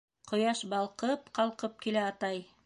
— Ҡояш балҡы-ып ҡалҡып килә, атай!